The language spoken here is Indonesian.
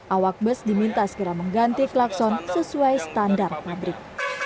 awak bus diminta segera mengganti klakson sesuai standar pabrik